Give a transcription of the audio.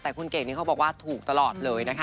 แต่คุณเก่งนี้เขาบอกว่าถูกตลอดเลยนะคะ